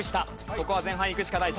ここは前半いくしかない。